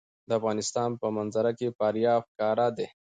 د افغانستان په منظره کې فاریاب ښکاره ده.